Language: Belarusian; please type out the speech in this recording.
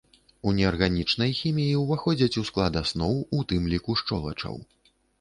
У неарганічнай хіміі ўваходзяць у склад асноў, у тым ліку, шчолачаў.